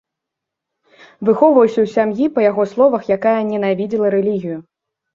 Выхоўваўся ў сям'і, па яго словах, якая ненавідзела рэлігію.